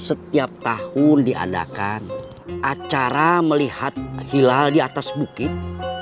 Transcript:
setiap tahun diadakan acara melihat hilal di atas bukit